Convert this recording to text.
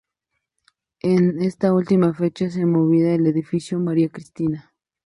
En esta última fecha se movió al edificio María Cristina.